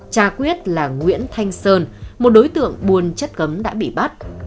trà quyết là nguyễn thanh sơn một đối tượng buồn chất cấm đã bị bắt